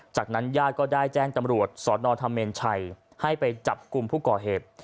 จากนั้นญาติก็ได้แจ้งตำรวจสนธเมนชัยให้ไปจับกลุ่มผู้ก่อเหตุ